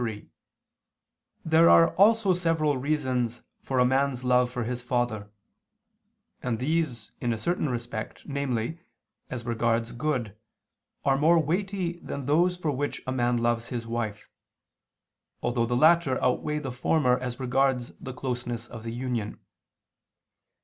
3: There are also several reasons for a man's love for his father; and these, in a certain respect, namely, as regards good, are more weighty than those for which a man loves his wife; although the latter outweigh the former as regards the closeness of the union.